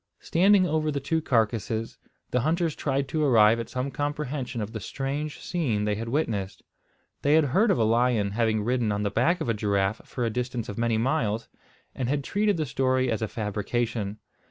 Standing over the two carcasses, the hunters tried to arrive at some comprehension of the strange scene they had witnessed. They had heard of a lion having ridden on the back of a giraffe for a distance of many miles, and had treated the story as a fabrication.